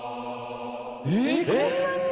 えっこんなに！？